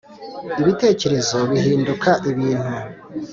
ibitekerezo bihinduka ibintu.